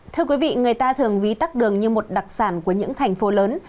thưa quý vị người ta thường ví tắt đường như một đặc sản của những thành phố lớn